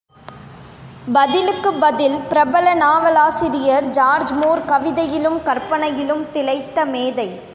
பதிலுக்கு பதில் பிரபல நாவலாசிரியர் ஜார்ஜ் மூர் கவிதையிலும் கற்பனையிலும் திளைத்த மேதை.